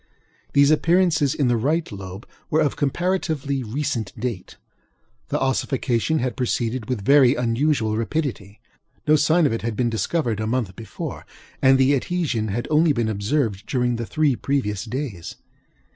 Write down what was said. These appearances in the right lobe were of comparatively recent date. The ossification had proceeded with very unusual rapidity; no sign of it had been discovered a month before, and the adhesion had only been observed during the three previous days.